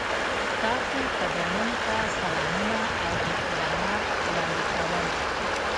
تاسو قدرمنو ته سلامونه او احترامات وړاندې کوم.